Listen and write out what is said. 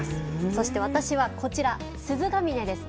そして私はこちら鈴ヶ峰です。